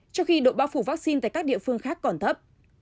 trong khi độ bao phủ vaccine tại các địa phương khác còn thấp